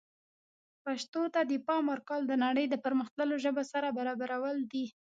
پښتو ته د پام ورکول د نړۍ د پرمختللو ژبو سره برابرول دي.